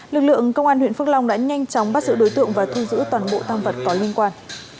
lực lượng công an huyện phước long đã nhanh chóng bắt giữ đối tượng và thu giữ toàn bộ tăng vật có liên quan